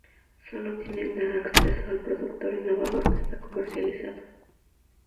Sólo tienen acceso al producto innovador que está comercializado.